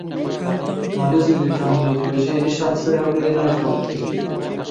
Balyozê Brîtanyayê dibêje êrişa li ser Hewlêrê nayê qebûlkirin.